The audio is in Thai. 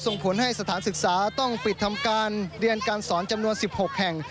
ส่งผลให้สถานศึกษาต้องปิดทำการเรียนการสอนจำนวน๑๖แห่ง